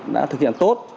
đã thực hiện tốt